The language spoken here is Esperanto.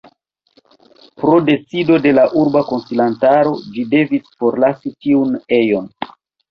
Pro decido de la urba konsilantaro ĝi devis forlasi tiun ejon.